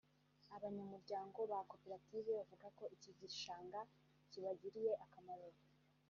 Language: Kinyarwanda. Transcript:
Abanyamuryango ba Koperative bavuga ko iki gishanga cyabagiriye akamaro